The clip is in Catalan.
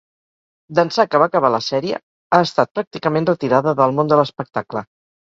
D'ençà que va acabar la sèrie, ha estat pràcticament retirada del món de l'espectacle.